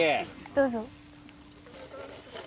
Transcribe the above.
どうぞ。